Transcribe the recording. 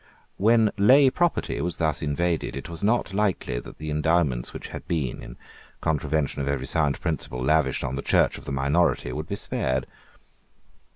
When lay property was thus invaded, it was not likely that the endowments which had been, in contravention of every sound principle, lavished on the Church of the minority would be spared.